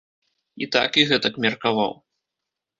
І так і гэтак меркаваў.